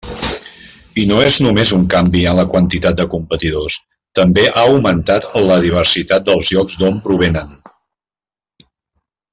I no és només un canvi en la quantitat de competidors, també ha augmentat la diversitat dels llocs d'on provenen.